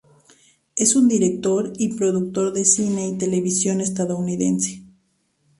Es un director y productor de cine y televisión estadounidense.